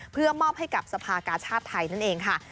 เพื่อมอบให้กับสภากาชาติไทยนั่นเองค่ะ